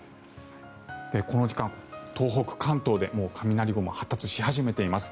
この時間、東北、関東で雷雲が発達し始めています。